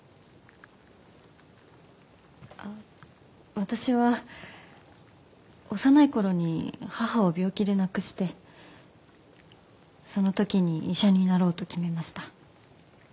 私は幼い頃に母を病気で亡くしてその時に医者になろうと決めました。